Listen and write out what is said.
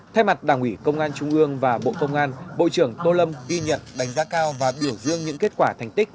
thay mặt đảng ủy công an trung ương và bộ công an bộ trưởng tô lâm ghi nhận đánh giá cao và biểu dương những kết quả thành tích